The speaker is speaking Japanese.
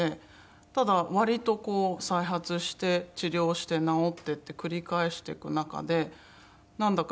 ただ割とこう再発して治療して治ってって繰り返していく中でなんだか